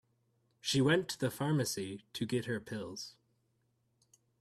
She went to the pharmacy to get her pills.